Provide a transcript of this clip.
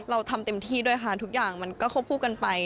เราทำเต็มที่ด้วยค่ะทุกอย่างมันก็ควบคู่กันไป